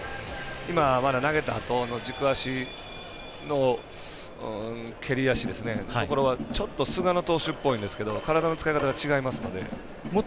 今、まだ投げたあとの軸足の蹴り足のところちょっと菅野投手っぽいんですが体の使い方が違いますので。